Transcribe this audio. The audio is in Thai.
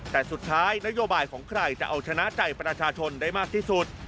แต่สุดท้ายนโยบายของใครจะเอาชนะใจประชาชนได้มากที่สุด